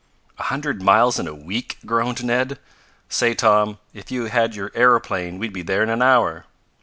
"A hundred miles in a week!" groaned Ned. "Say, Tom, if you had your aeroplane we'd be there in an hour."